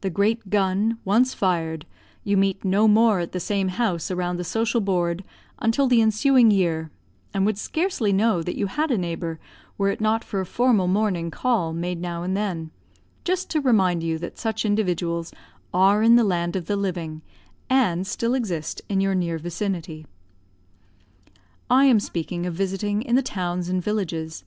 The great gun, once fired, you meet no more at the same house around the social board until the ensuing year, and would scarcely know that you had a neighbor, were it not for a formal morning call made now and then, just to remind you that such individuals are in the land of the living, and still exist in your near vicinity. I am speaking of visiting in the towns and villages.